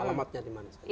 alamatnya dimana sekarang